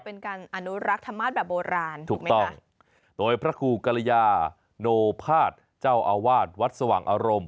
เป็นการอนุรักษ์ธรรมาสแบบโบราณถูกต้องโดยพระครูกรยาโนภาษเจ้าอาวาสวัดสว่างอารมณ์